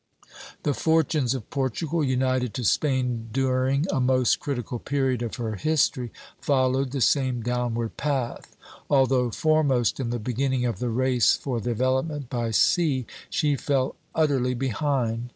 The fortunes of Portugal, united to Spain during a most critical period of her history, followed the same downward path: although foremost in the beginning of the race for development by sea, she fell utterly behind.